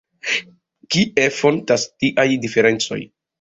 Kie fontas tiaj diferencoj?